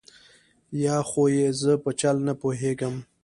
یا خو یې زه په چل نه پوهېږم.